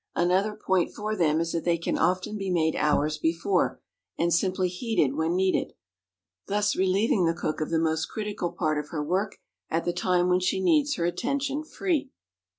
Another point for them is that they can often be made hours before, and simply heated when needed, thus relieving the cook of the most critical part of her work at the time when she needs her attention free.